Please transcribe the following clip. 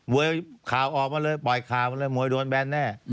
มวยาคาวออกมาเลยคาวออกมาเลยมวยาโดนแบนแน่